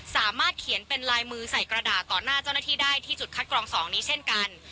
สามารถเขียนเป็นลายมือใส่กระดาษต่อหน้าเจ้าหน้าที่ได้ที่จุดคัดกรอง๒นี้เช่นกัน